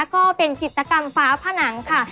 ก็เป็นจิตกรรมฟ้าผนังค่ะ